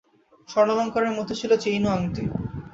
স্বর্ণালংকারের মধ্যে ছিল চেইন ও আংটি।